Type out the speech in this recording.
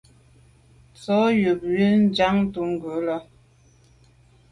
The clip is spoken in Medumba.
Nson yub ju ze Njantùn ghù là.